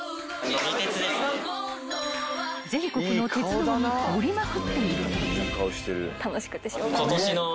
［全国の鉄道に乗りまくっているという］